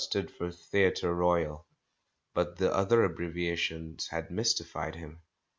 stood for "Theatre Royal," but the other abbreviations had mystified him.